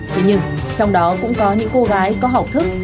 thế nhưng trong đó cũng có những cô gái có học thức